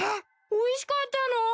おいしかったの？